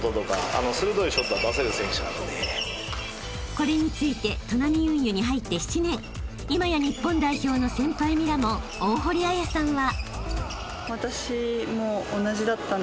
［これについてトナミ運輸に入って７年今や日本代表の先輩ミラモン大堀彩さんは］